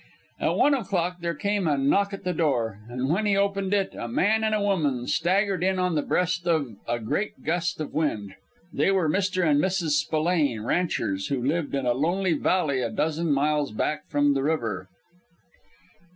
At one o'clock there came a knock at the door, and when he opened it a man and a woman staggered in on the breast of a great gust of wind. They were Mr. and Mrs. Spillane, ranchers, who lived in a lonely valley a dozen miles back from the river.